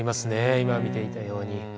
今見ていたように。